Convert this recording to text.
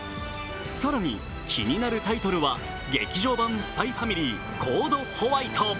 更に、気になるタイトルは「劇場版ＳＰＹ×ＦＡＭＩＬＹＣＯＤＥ：Ｗｈｉｔｅ」